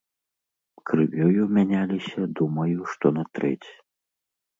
Крывёю мяняліся думаю, што на трэць.